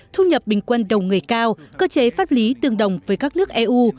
thu nhập bình quân đầu người cao cơ chế pháp lý tương đồng với các nước eu